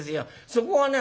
そこがね